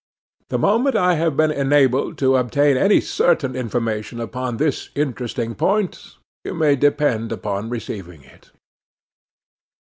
The moment I have been enabled to obtain any certain information upon this interesting point, you may depend upon receiving it.